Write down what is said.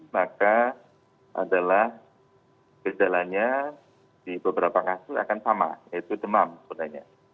maka adalah gejalanya di beberapa kasus akan sama yaitu demam sebenarnya